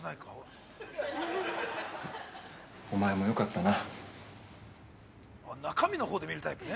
お前もよかったな。